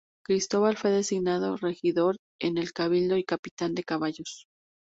Cristóbal fue designado regidor en el Cabildo y Capitán de caballos.